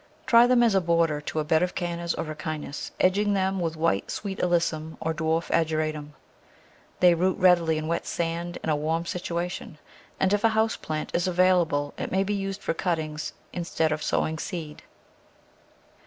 Try them as a border to a bed of Cannas or Ricinus, edging them with white Sweet Alyssum or dwarf Ageratum. They root readily in wet sand in a warm situation, and if a house plant is available it may be used for cuttings instead of sowing seed.